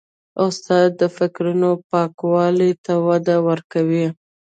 استاد د فکرونو پاکوالي ته وده ورکوي.